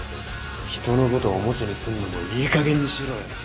「人のことおもちゃにすんのもいいかげんにしろよ」